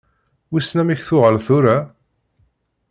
Wissen amek tuɣal tura.